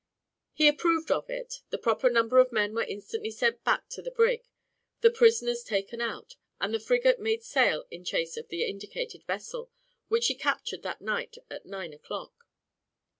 He approved of it; the proper number of men were instantly sent back to the brig, the prisoners taken out, and the frigate made sail in chase of the indicated vessel, which she captured that night at nine o'clock.